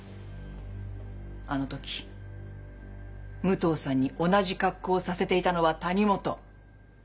あのとき武藤さんに同じ格好をさせていたのは谷本。